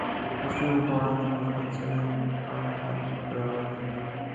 د ستونزو پر وړاندې مثبت چلند غوره حل راولي.